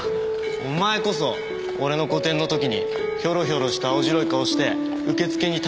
お前こそ俺の個展のときにヒョロヒョロした青白い顔して受付に立たないでくれよな。